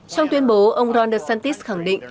trong tuyên bố ông ron desantis khẳng định